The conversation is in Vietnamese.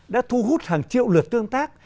đã thu hút hàng triệu lượt tương tác